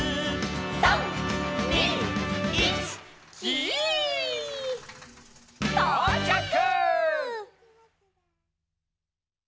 「３・２・１」「ギィ」とうちゃく！